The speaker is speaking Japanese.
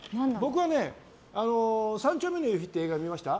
僕はね「３丁目の夕日」っていう映画見ました？